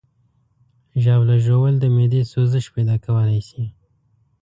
ژاوله ژوول د معدې سوزش پیدا کولی شي.